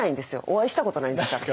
お会いしたことないんですから。